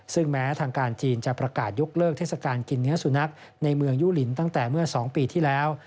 ซึ่งแม้ทางการจีนจะประกาศยกเลิกเทศกาลกินเนื้อสุนัขในเมืองยูลินตั้งแต่เมื่อ๒ปีที่แล้ว